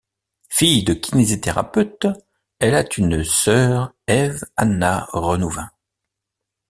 Fille de kinésithérapeutes, elle a une sœur Ève-Anna Renouvin.